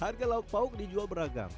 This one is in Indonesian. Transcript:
harga lauk pauk dijual beragam